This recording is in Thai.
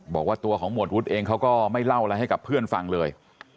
บอกว่าตัวของหมวดวุฒิเองเขาก็ไม่เล่าอะไรให้กับเพื่อนฟังเลย